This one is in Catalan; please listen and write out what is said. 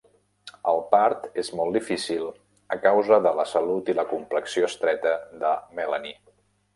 El part és molt difícil a causa de la salut i la complexió estreta de Melanie.